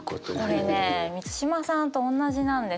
これね満島さんとおんなじなんですよ。